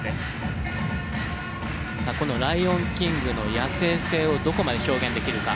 この『ライオン・キング』の野生性をどこまで表現できるか。